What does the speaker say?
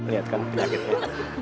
lihat kan penyakitnya